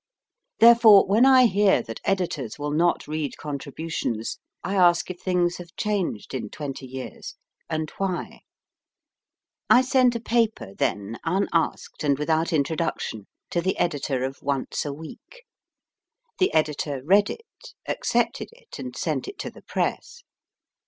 Therefore, when I hear that editors will not read contribu tions, I ask if things have changed in twenty years and why ? I sent a paper, then, unasked, and without introduction, to the editor of Once a Week. The editor read it, accepted it, and sent it to the press.